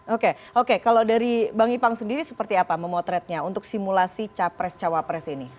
oke oke kalau dari bang ipang sendiri seperti apa memotretnya untuk simulasi capres cawapres ini